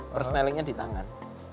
persenelingnya di tangan